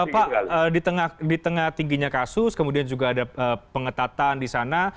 pak di tengah tingginya kasus kemudian juga ada pengetatan di sana